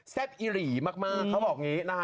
แทบอีหรี่มากพระบิษฐาบอก